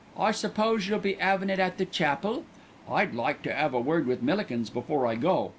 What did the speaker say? I suppose you'll be 'avin' it at the chapel? I'd like to 'ave a word with Millikins before I go.